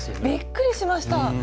びっくりしました！